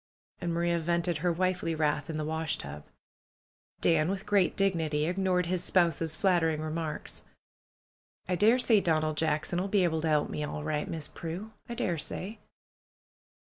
And Maria vented her wifely wrath in the washtub. Dan, with great dignity, ignored his spouse's flatter ing remarks. "I daresay Donald Jackson 'ull be able to 'elp me, all right. Miss Prue. I daresay."